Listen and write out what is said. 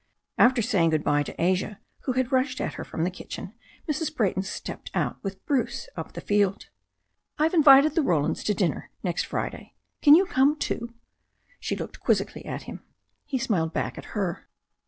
After saying good bye to Asia, who had rushed at her from the kitchen, Mrs. Brayton stepped out with Bruce up the field. "I've invited the Rolanjjs to dinner next Friday. Can you come too?" She looked quizzically at him. He smiled back at her.